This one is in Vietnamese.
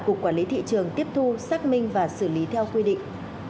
cục quản lý thị trường tiếp thu xác minh và xử lý theo quy định